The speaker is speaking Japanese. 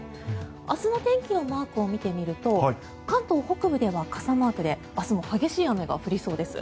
明日の天気のマークを見てみると関東北部では傘マークで明日も激しい雨が降りそうです。